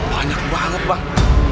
banyak banget bang